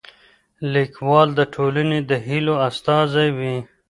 ليکوال د ټولني د هيلو استازی وي.